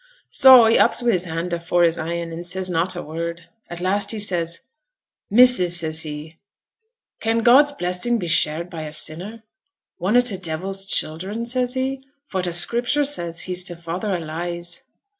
So he ups wi' his hand afore his e'en, and says not a word. At last he says, "Missus," says he, "can God's blessing be shared by a sinner one o' t' devil's children?" says he. "For the Scriptur' says he's t' father o' lies."